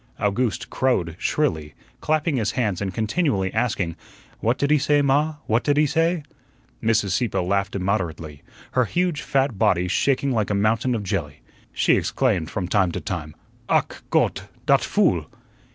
Owgooste crowed shrilly, clapping his hands and continually asking, "What did he say, ma? What did he say?" Mrs. Sieppe laughed immoderately, her huge fat body shaking like a mountain of jelly. She exclaimed from time to time, "Ach, Gott, dot fool!"